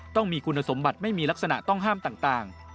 ต้องมีคุณสมบัติไม่มีลักษณะต้องห้ามต่าง